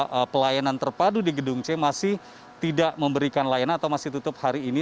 karena pelayanan terpadu di gedung c masih tidak memberikan layanan atau masih tutup hari ini